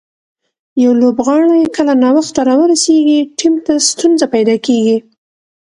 یو لوبغاړی کله ناوخته راورسېږي، ټیم ته ستونزه پېدا کیږي.